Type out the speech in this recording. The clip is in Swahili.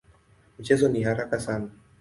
Mchezo ni haraka sana.